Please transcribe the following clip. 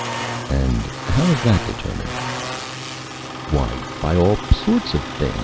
"And how is that determined?" "Why, by all sorts of things.